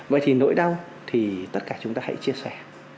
vậy thì nỗi đau thì tất cả chúng ta hãy chia sẻ